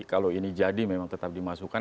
kalau ini jadi memang tetap dimasukkan